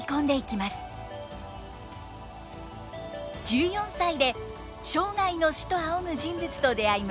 １４歳で生涯の師と仰ぐ人物と出会います。